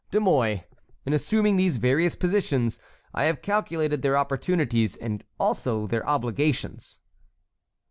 De Mouy, in assuming these various positions, I have calculated their opportunities and also their obligations."